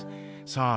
さあ